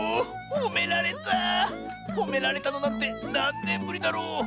ほめられたのなんてなんねんぶりだろう。